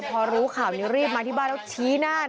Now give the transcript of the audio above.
พอรู้ข่าวนี้รีบมาที่บ้านแล้วชี้หน้า